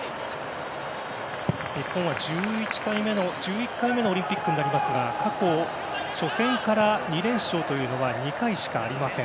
日本は１１回目のオリンピックになりますが過去、初戦から２連勝というのは２回しかありません。